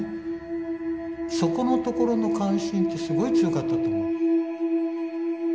そこのところの関心ってすごい強かったと思う。